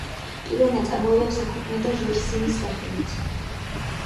პირველ ნაწარმოებებს აქვეყნებდა ჟორჟ სიმის სახელით.